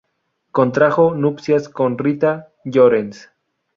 Contrajo nupcias con Rita Llorens.